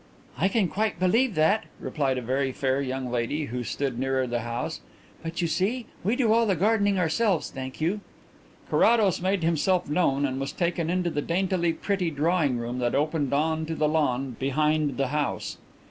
"I can quite believe that," replied a very fair young lady who stood nearer the house, "but, you see, we do all the gardening ourselves, thank you." Carrados made himself known and was taken into the daintily pretty drawing room that opened on to the lawn behind the house.